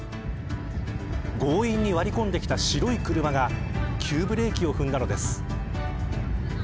強引に割り込んできた白い車が急ブレーキを踏んだのです。